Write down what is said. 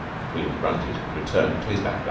William grunted and returned to his back garden.